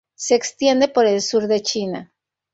Se extiende por el sur de China.